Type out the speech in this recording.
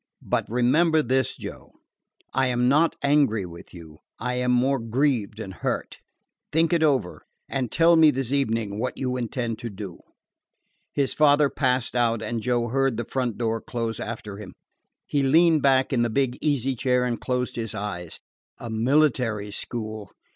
"But remember this, Joe," he said. "I am not angry with you; I am more grieved and hurt. Think it over, and tell me this evening what you intend to do." His father passed out, and Joe heard the front door close after him. He leaned back in the big easy chair and closed his eyes. A military school!